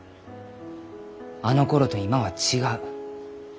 あのころと今は違う。